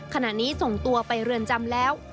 ขณะนี้ส่งตัวไปเรือนจำแล้ว